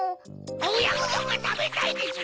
おやこどんがたべたいでちゅ